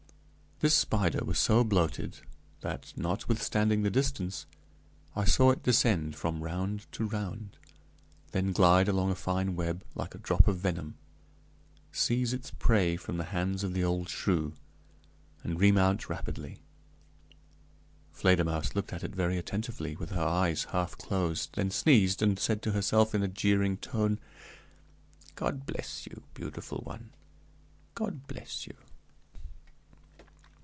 This spider was so bloated that, notwithstanding the distance, I saw it descend from round to round, then glide along a fine web, like a drop of venom, seize its prey from the hands of the old shrew, and remount rapidly. Fledermausse looked at it very attentively, with her eyes half closed; then sneezed, and said to herself, in a jeering tone, "God bless you, beautiful one; God bless you!"